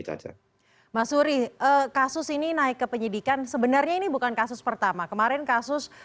saja mas suri kasus ini naik ke penyidikan sebenarnya ini bukan kasus pertama kemarin kasus